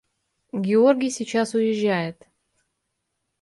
– Георгий сейчас уезжает.